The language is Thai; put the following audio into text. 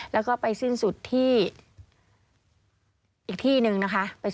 แล้วก็ไปสิ้นสุดที่อีกที่หนึ่งนะคะ